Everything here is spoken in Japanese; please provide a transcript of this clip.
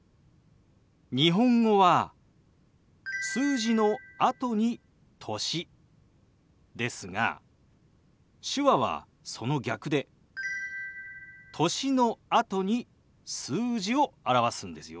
日本語は数字のあとに歳ですが手話はその逆で歳のあとに数字を表すんですよ。